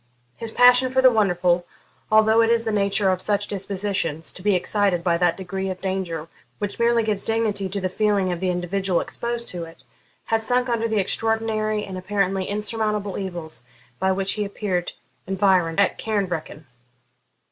His passion for the wonderful, although it is the nature of such dispositions to be excited by that degree of danger which merely gives dignity to the feeling of the individual exposed to it, had sunk under the extraordinary and apparently insurmountable evils by which he appeared environed at Cairnvreckan.